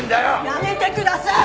やめてください！